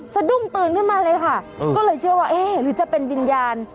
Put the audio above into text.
สะดุ้งตื่นขึ้นมาเลยค่ะก็เลยเชื่อว่าเอ๊ะหรือจะเป็นวิญญาณ